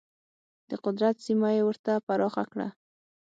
د قدرت سیمه یې ورته پراخه کړه.